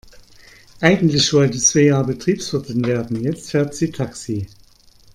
Eigentlich wollte Svea Betriebswirtin werden, jetzt fährt sie Taxi.